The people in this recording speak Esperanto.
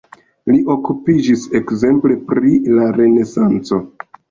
Li okupiĝis ekzemple pri la renesanco.